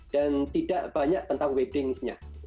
dan tidak banyak tentang weddingsnya